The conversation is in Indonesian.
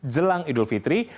jelang idul fitri